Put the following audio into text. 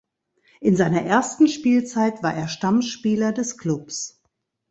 In seiner ersten Spielzeit war er Stammspieler des Klubs.